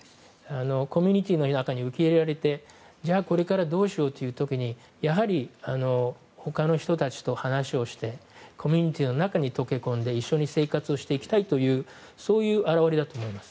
コミュニティーの中に受け入れられてこれからどうしようという時にやはり他の人たちと話をしてコミュニティーの中に溶け込んで一緒に生活をしていきたいというそういう表れだと思います。